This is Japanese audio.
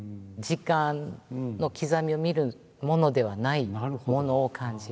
時間の刻みを見るものではないものを感じるんです。